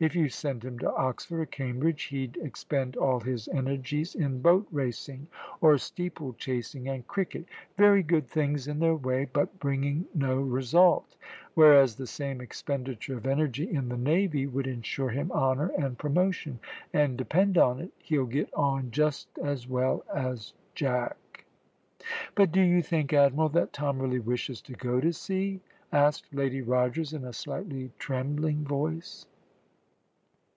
If you send him to Oxford or Cambridge he'd expend all his energies in boat racing, or steeple chasing and cricket very good things in their way, but bringing no result; whereas, the same expenditure of energy in the navy would insure him honour and promotion; and depend on it he'll get on just as well as Jack." "But do you think, Admiral, that Tom really wishes to go to sea?" asked Lady Rogers, in a slightly trembling voice.